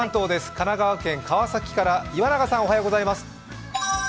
神奈川県川崎から岩永さん、おはようございます。